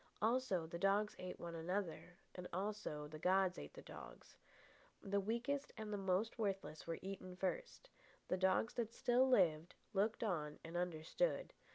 Also, the dogs ate one another, and also the gods ate the dogs. The weakest and the more worthless were eaten first. The dogs that still lived, looked on and understood.